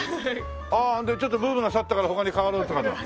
ああそれでちょっとブームが去ったから他に変わろうって事？